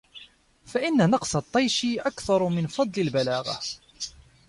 فَإِنَّ نَقْصَ الطَّيْشِ أَكْثَرُ مِنْ فَضْلِ الْبَلَاغَةِ